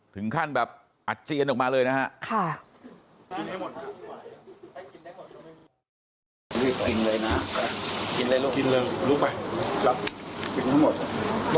ถึงขั้นแบบอาเจียนออกมาเลยนะฮะ